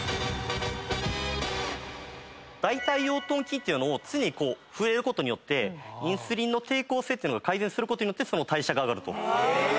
大腿四頭筋っていうのを常に震えることによってインスリンの抵抗性っていうのが改善することによって代謝が上がると。